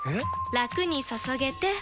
ラクに注げてペコ！